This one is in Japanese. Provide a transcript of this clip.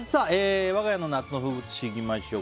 わが家の夏の風物詩いきましょう。